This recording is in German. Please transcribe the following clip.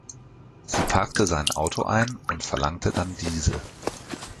Sie parkte sein Auto ein und verlangte dann diese.